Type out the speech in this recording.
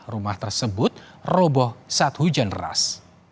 rumah tersebut roboh saat hujan deras